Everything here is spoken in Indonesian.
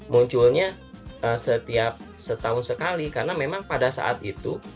munculnya setiap setahun sekali karena memang pada saat itu